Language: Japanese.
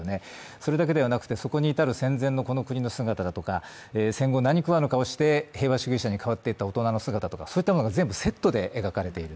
それだけではなくてそこに至る戦前のこの国の姿だとか、戦後何食わぬ顔して変わっていった大人の姿とか、そういったものが全部セットで描かれている。